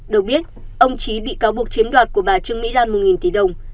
được biết ông trí bị cáo buộc chiếm đoạt của bà trương mỹ lan một tỷ đồng